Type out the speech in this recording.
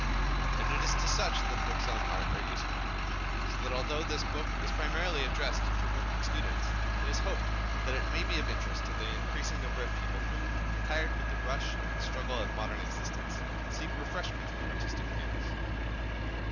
And it is to such that books on art are useful. So that although this book is primarily addressed to working students, it is hoped that it may be of interest to that increasing number of people who, tired with the rush and struggle of modern existence, seek refreshment in artistic things.